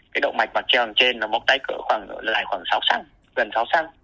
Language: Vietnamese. cái động mạch mạc treo ở trên nó bọc tách lại khoảng sáu xăng gần sáu xăng